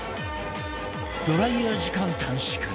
ドライヤー時間短縮